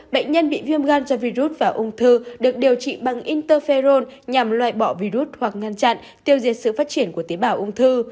bệnh nhân bị viêm gan do virus và ung thư được điều trị bằng interferone nhằm loại bỏ virus hoặc ngăn chặn tiêu diệt sự phát triển của tế bào ung thư